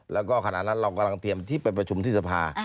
แล้วก็ขณะนั้นเรากำลังเตรียมที่ไปประชุมที่สภา